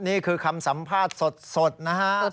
นี่คือคำสัมภาษณ์สดนะฮะ